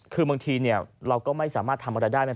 คือบางทีเราก็ไม่สามารถทำอะไรได้